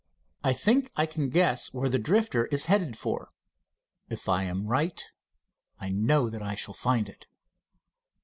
"I think I can guess where the Drifter is headed for. If I am right, I know that I shall find it."